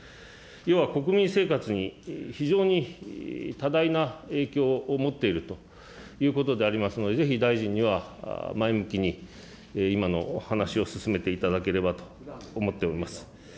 いわば国民生活に非常に多大な影響を持っているということでありますので、ぜひ大臣には前向きに、今のお話を進めていただければと思っております。